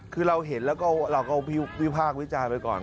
คือเราเห็นแล้วก็เราก็วิพากษ์วิจารณ์ไปก่อน